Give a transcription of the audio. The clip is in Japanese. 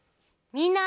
みんな！